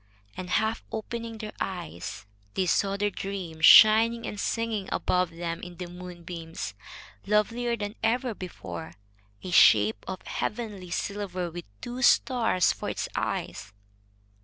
And, half opening their eyes, they saw their dream shining and singing above them in the moonbeams, lovelier than ever before, a shape of heavenly silver, with two stars for its eyes.